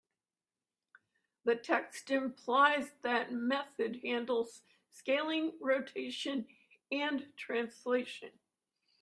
The text implies that method handles scaling, rotation, and translation.